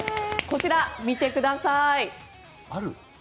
こちら見てください。